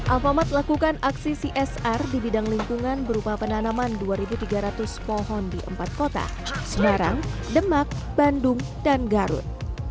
alfamart lakukan aksi csr di bidang lingkungan berupa penanaman dua tiga ratus pohon di empat kota semarang demak bandung dan garut